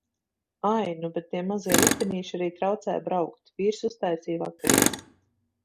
Ai, nu bet tie mazie ritenīši arī traucē braukt. Vīrs uztaisīja vakariņas.